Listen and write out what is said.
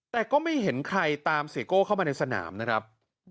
แต่ก็ไม่เห็นใครตามเสียโก้เข้ามาในสนามนะครับ